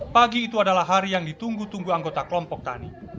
pagi itu adalah hari yang ditunggu tunggu anggota kelompok tani